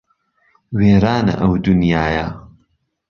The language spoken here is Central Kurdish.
وێرانه ئهو دونیایه